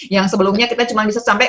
yang sebelumnya kita cuma bisa sampai